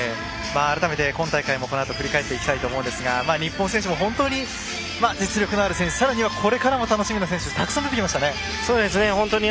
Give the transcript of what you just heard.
改めて今大会をこのあと振り返っていきたいと思いますが日本選手も本当に実力のある選手さらにはこれからが楽しみな選手たくさん出てきましたね。